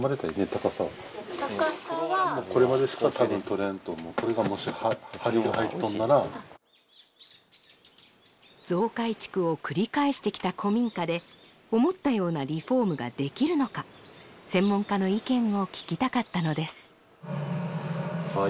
高さ高さはこれまでしかとれんと思うこれがもし梁が入っとんなら増改築を繰り返してきた古民家で思ったようなリフォームができるのか専門家の意見を聞きたかったのですああ